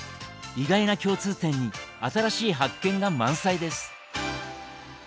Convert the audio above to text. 意外な共通点に新しい発見が満載です。